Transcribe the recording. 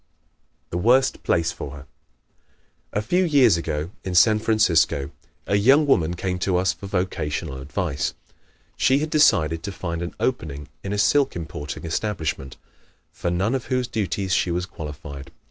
The Worst Place for Her ¶ A few years ago, in San Francisco, a young woman came to us for vocational advice. She had decided to find an opening in a silk importing establishment, for none of whose duties she was qualified.